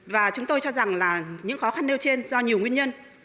và chúng tôi cho rằng là những khó khăn nêu trên do nhiều nguyên nhân